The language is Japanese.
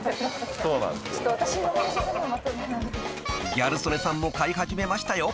［ギャル曽根さんも買い始めましたよ］